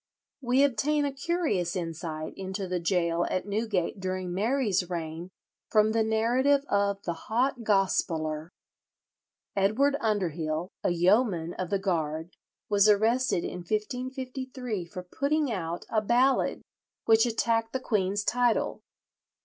We obtain a curious insight into the gaol at Newgate during Mary's reign from the narrative of the "Hot Gospeller." Edward Underhill, a yeoman of the Guard, was arrested in 1553 for "putting out" a ballad which attacked the queen's title.